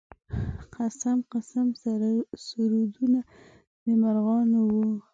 قسم قسم سرودونه د مرغانو و.